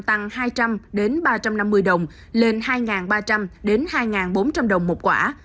tăng hai trăm linh ba trăm năm mươi đồng lên hai ba trăm linh hai bốn trăm linh đồng một quả